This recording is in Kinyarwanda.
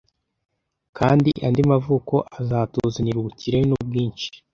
Kandi andi mavuko azatuzanira ubukire nubwinshi.